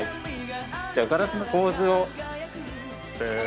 じゃあ『硝子』のポーズを。